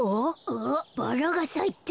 あっバラがさいた。